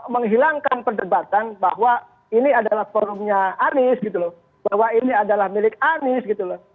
menghilangkan perdebatan bahwa ini adalah forumnya anies gitu loh bahwa ini adalah milik anies gitu loh